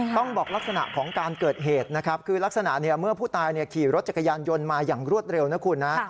ต้องบอกลักษณะของการเกิดเหตุนะครับคือลักษณะเมื่อผู้ตายขี่รถจักรยานยนต์มาอย่างรวดเร็วนะคุณนะ